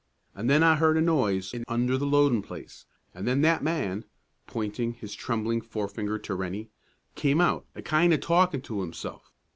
An' then I heard a noise in under the loadin' place, an' then that man," pointing his trembling forefinger to Rennie, "came out, a kind o' talkin' to himself.